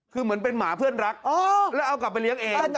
คือเหมือนเป็นหมาเพื่อนรักแล้วเอากลับไปเลี้ยงเอง